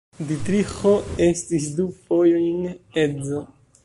Ditriĥo estis du fojojn edzo.